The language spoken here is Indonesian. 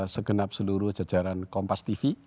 segenap seluruh jajaran kompas tv